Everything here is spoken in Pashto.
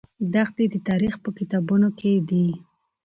دښتې د تاریخ په کتابونو کې دي.